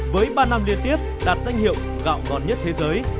với ba năm liên tiếp đạt danh hiệu gạo ngon nhất thế giới